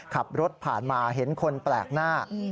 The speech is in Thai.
ขับรถผ่านมาเห็นคนแปลกหน้า